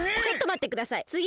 ちょっとまってください！